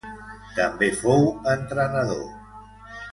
També fou entrenador.